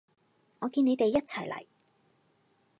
我見你哋一齊嚟